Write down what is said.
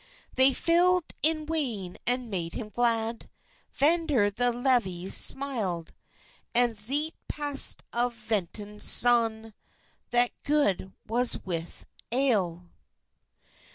They filled in wyne, and made him glad, Vnder the levys smale, And zete pastes of venysone, That gode was with ale.